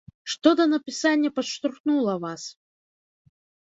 Што да напісання падштурхнула вас?